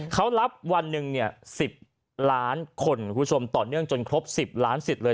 เขารับวันหนึ่ง๑๐ล้านคนคุณผู้ชมต่อเนื่องจนครบ๑๐ล้านสิทธิ์เลย